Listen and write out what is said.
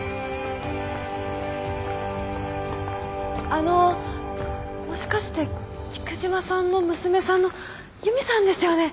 あのもしかして菊島さんの娘さんの由美さんですよね？